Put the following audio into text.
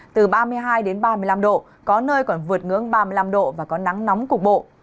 từ ba mươi hai đến ba mươi năm độ có nơi còn vượt ngưỡng ba mươi năm độ và có nắng nóng cục bộ